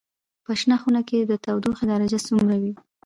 په شنه خونه کې د تودوخې درجه څومره وي؟